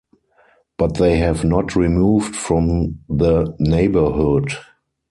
But they have not removed from the neighbourhood.